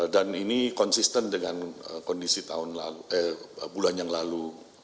dan ini konsisten dengan kondisi bulan yang lalu